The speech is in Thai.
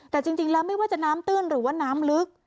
แต่จริงแล้วไม่ว่าจะน้ำตื้นหรือว่าน้ำลึก